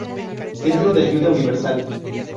Centro de Ayuda Universal.